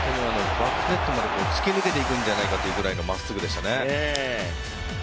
バックネットまで突き抜けていくんじゃないかぐらいのまっすぐでしたね。